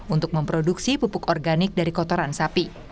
untuk memproduksi pupuk organik yang lebih berharga